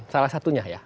salah satunya ya